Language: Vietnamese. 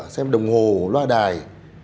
xem đồng hồ loa đài